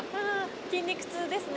筋肉痛ですね。